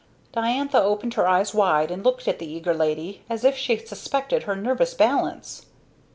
Diantha opened her eyes wide and looked at the eager lady as if she suspected her nervous balance.